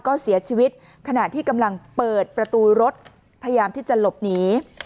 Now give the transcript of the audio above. ก็เสียชีวิตขณะที่กำลังเปิดประตูรถพยายามที่จะหลบหนี